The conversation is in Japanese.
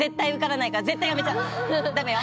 ダメよ。